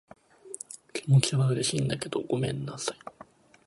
気持ちは嬉しいんだけど、ごめんなさい。